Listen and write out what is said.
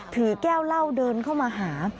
ถือแก้วเหล้าเดินเข้ามาหา